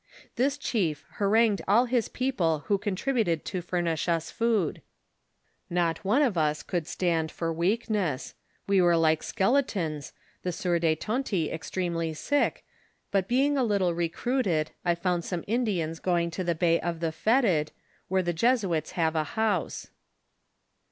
This chief harangued all his people who contributed to furnish us food. Not one of us could stand for weakness; we were like skeletons, the sieur de Tonty ex tremely sick, but being a little recruited, I found some In dians going to the bay of the Fetid, where the Jesuits have a house.